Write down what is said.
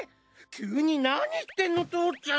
急に何言ってるの父ちゃん。